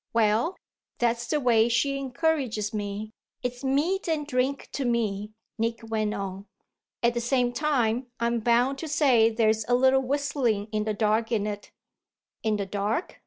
"Well, that's the way she encourages me: it's meat and drink to me," Nick went on. "At the same time I'm bound to say there's a little whistling in the dark in it." "In the dark?"